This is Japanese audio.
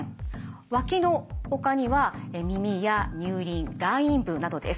わきのほかには耳や乳輪外陰部などです。